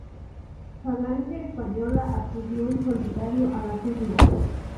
Falange Española acudió en solitario a las urnas.